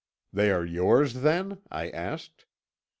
'They are yours, then?' I asked.